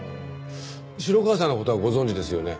城川さんの事はご存じですよね？